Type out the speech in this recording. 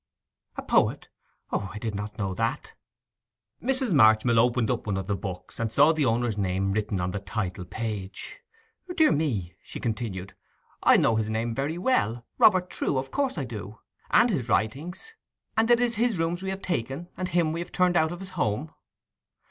'A poet! O, I did not know that.' Mrs. Marchmill opened one of the books, and saw the owner's name written on the title page. 'Dear me!' she continued; 'I know his name very well—Robert Trewe—of course I do; and his writings! And it is his rooms we have taken, and him we have turned out of his home?